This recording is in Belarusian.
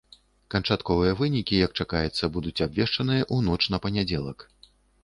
Канчатковыя вынікі, як чакаецца, будуць абвешчаныя ў ноч на панядзелак.